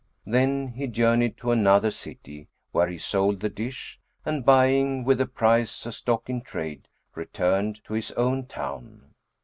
Then he journeyed to another city where he sold the dish and buying with the price a stock in trade, returned to his own town.